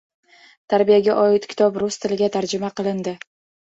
Tarbiyaga oid kitob rus tiliga tarjima qilindi